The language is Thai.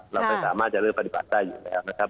เราไม่สามารถจะเริ่มปฏิบัติได้อยู่แล้วนะครับ